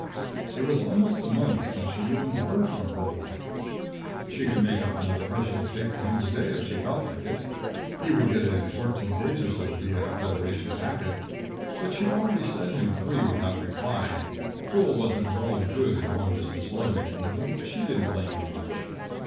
It was almost a month since she'd even heard from Brule. She could make up another personal tape to him today if she felt like it. He would get it in fourteen days or so via a Federation packet. But she'd already sent him three without reply. Brule wasn't at all good at long distance love making, and she didn't blame him much.